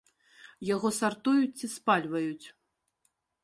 Яго сартуюць ці спальваюць?